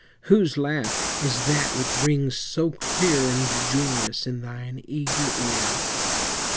Whose laugh is that which rings so clear And joyous in thine eager ear?